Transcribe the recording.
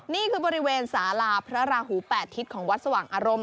นี่คือบริเวณสาลาพระราหู๘ทิศของวัดสว่างอารมณ์